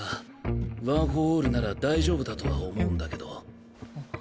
ワン・フォー・オールなら大丈夫だとは思うんだけどん？